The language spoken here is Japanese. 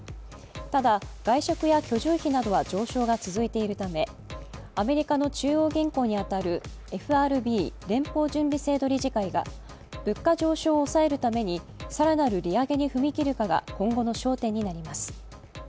ただ外食や住居費などは上昇が続いているためアメリカの中央銀行に当たるＦＲＢ＝アメリカ連邦準備制度理事会が物価上昇を抑えるために更なる利上げに踏み切るかが今後の焦点になります。